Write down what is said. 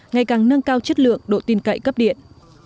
ngày càng nâng cao chất lượng độ tin cậy cấp điện